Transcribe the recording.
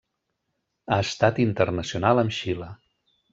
Ha estat internacional amb Xile.